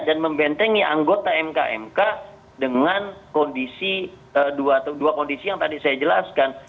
dan membentengi anggota mk mk dengan kondisi dua kondisi yang tadi saya jelaskan